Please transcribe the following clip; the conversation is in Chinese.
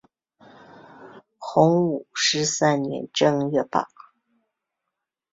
洪武十三年正月罢。